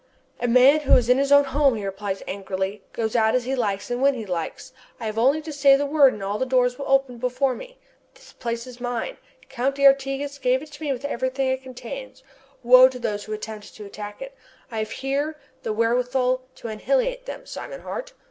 "A man who is in his own home," he replies angrily, "goes out as he likes and when he likes. I have only to say the word and all the doors will open before me. This place is mine. Count d'Artigas gave it to me with everything it contains. Woe to those who attempt to attack it. I have here the wherewithal to annihilate them, Simon Hart!"